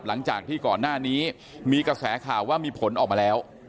หลังจากที่ก่อนหน้านี้มีกระแสข่าวว่ามีผลออกมาแล้ว